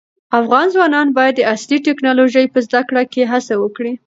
افغان ځوانان باید د عصري ټیکنالوژۍ په زده کړه کې هڅه وکړي.